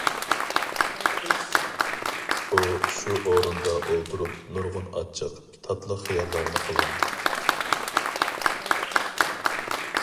ئۇ شۇ ئورۇندا ئولتۇرۇپ نۇرغۇن ئاچچىق، تاتلىق خىياللارنى قىلغان.